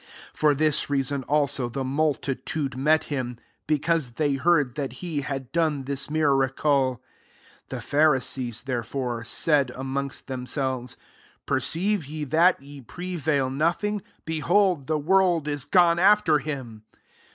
18 For this reason also, the ii«il titude met him ; because thef heard that he had done this TB» racle. 19 The Pharisees, ther^ fore, said amongst themselvei^ " Perceive ye that ye prerai nothing? behold, the woiMft gone after him."